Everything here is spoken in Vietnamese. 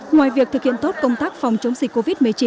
ngoài việc thực hiện tốt công tác phòng chống dịch covid một mươi chín